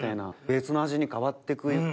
別の味に変わって行く。